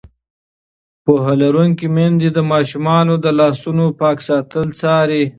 پوهه لرونکې میندې د ماشومانو د لاسونو پاک ساتل څاري.